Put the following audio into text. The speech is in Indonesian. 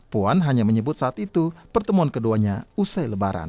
puan hanya menyebut saat itu pertemuan keduanya usai lebaran